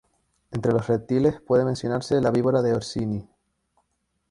Entre los reptiles, puede mencionarse la víbora de Orsini.